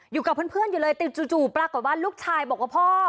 อยู่กับเพื่อนอยู่เลยติดจู่ปรากฏว่าลูกชายบอกว่าพ่อ